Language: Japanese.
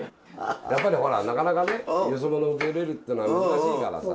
やっぱりほらなかなかねよそ者受け入れるってのは難しいからさ。